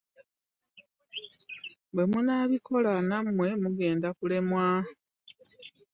Bwe munaabikola nammwe mugenda kulemwa